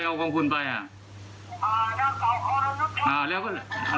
แล้วก็เป็นอ่ะแล้วก็เป็นอะไรกับผมอ่ะอ่าไม่รู้